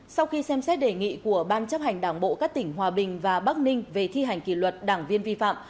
sau khi xem xét đề nghị của ban chấp hành đảng bộ các tỉnh hòa bình và bắc ninh về thi hành kỷ luật đảng viên vi phạm